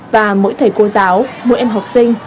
và mỗi thầy cô giáo mỗi em học sinh